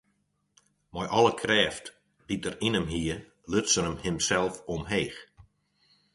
Mei alle krêft dy't er yn him hie, luts er himsels omheech.